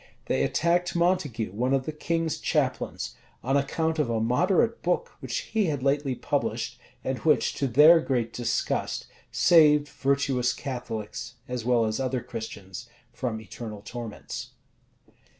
[] They attacked Montague, one of the king's chaplains, on account of a moderate book which he had lately published, and which, to their great disgust, saved virtuous Catholics, as well as other Christians, from eternal torments.